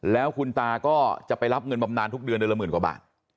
แล้วคุณตาก็จะไปรับเงินบำนานทุกเดือนเดือนละหมื่นกว่าบาท